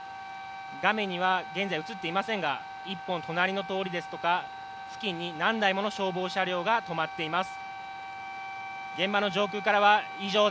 画面には現在映っていませんが、１本隣の通りですとか、付近に何台もの消防車両が止まっています。